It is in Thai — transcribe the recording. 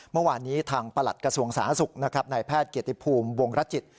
เมื่อวานนี้ทางประหลัดกระทรวงสาธารณสุขนะครับนายแพทย์เกียรติภูมิวงรจิต